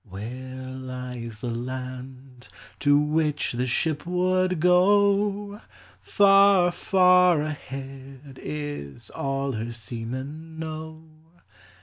Where lies the land to which the ship would go ? Far, far ahead, is all her seamen know.